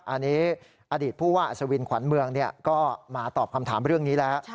อันนี้อดีตผู้ว่าอัศวินขวัญเมืองก็มาตอบคำถามเรื่องนี้แล้ว